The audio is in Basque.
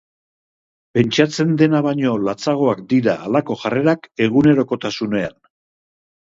Pentsatzen dena baino latzagoak dira halako jarrerak egunerokotasunean.